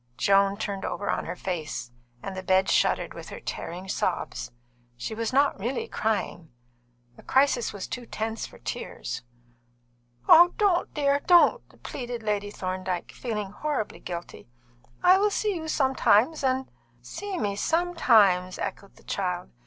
Joan turned over on her face, and the bed shuddered with her tearing sobs. She was not really crying. The crisis was too tense for tears. "Don't, dear, don't," pleaded Lady Thorndyke, feeling horribly guilty. "I will see you sometimes, and " "See me sometimes!" echoed the child.